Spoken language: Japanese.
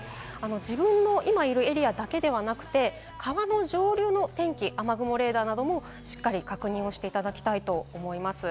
自分の今いるエリアだけではなく、川の上流の天気、雨雲レーダーなどもしっかり確認していただきたいと思います。